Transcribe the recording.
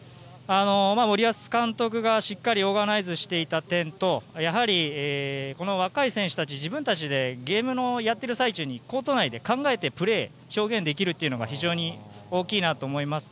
森保監督がしっかりオーガナイズしていた点とやはり、この若い選手たち自分たちでゲームをやっている最中にコート内で考えてプレーを表現できるのが非常に大きいなと思います。